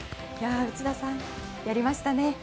内田さん、やりましたね。